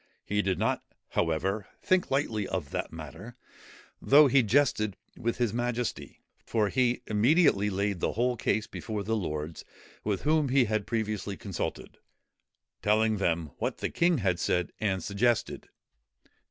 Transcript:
He did not, however, think lightly of the matter, though he jested with his majesty; for he immediately laid the whole case before the lords, with whom he had previously consulted, telling them what the king had said and suggested.